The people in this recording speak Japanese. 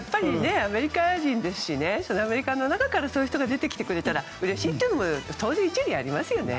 アメリカ人ですからアメリカの中から出てくれたらうれしいというのも当然、一理ありますよね。